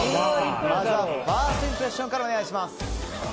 まずはファーストインプレッションからお願いします。